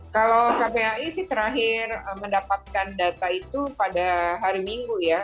kalau kpai sih terakhir mendapatkan data itu pada hari minggu ya